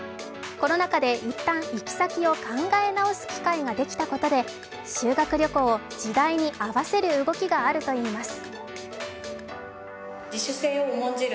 コロナ禍で一旦、行先を考え直す機会ができたことで修学旅行を時代に合わせる動きがあるということです。